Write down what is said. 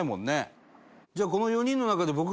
じゃあこの４人の中で。